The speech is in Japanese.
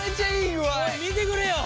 おい見てくれよ。